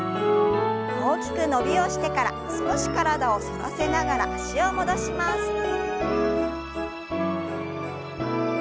大きく伸びをしてから少し体を反らせながら脚を戻します。